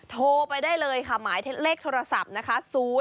โทรไปได้เลยค่ะหมายเลขโทรศัพท์นะคะ